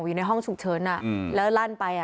อยู่ในห้องฉุกเฉินอ่ะ